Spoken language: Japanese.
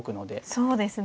そうですね。